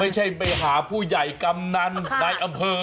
ไม่ใช่ไปหาผู้ใหญ่กำนันในอำเภอ